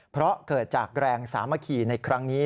เพราะเกิดจากแรงสามัคคีในครั้งนี้